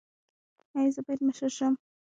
ایا زه باید مشر شم؟